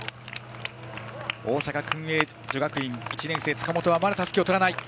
大阪薫英女学院１年生の塚本まだたすきをとらない。